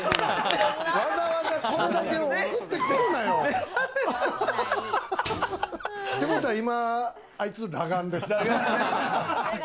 わざわざこれだけ送ってくるなよ。ってことは今、あいつ裸眼です。